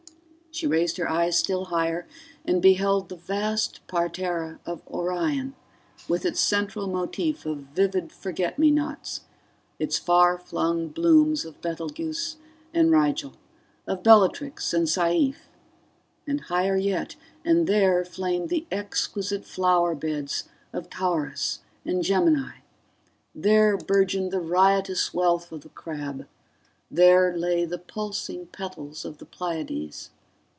She raised her eyes still higher and beheld the vast parterre of Orion with its central motif of vivid forget me nots, its far flung blooms of Betelguese and Rigel, of Bellatrix and Saiph ... And higher yet and there flamed the exquisite flower beds of Taurus and Gemini, there burgeoned the riotous wreath of the Crab; there lay the pulsing petals of the Pleiades